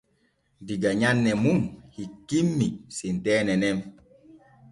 Diga nyanne mun hikkimmi senteene nen.